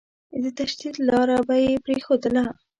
د تشدد لاره به يې پرېښودله.